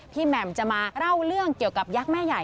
แหม่มจะมาเล่าเรื่องเกี่ยวกับยักษ์แม่ใหญ่